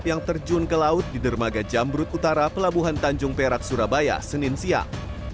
yang terjun ke laut di dermaga jamrut utara pelabuhan tanjung perak surabaya senin siang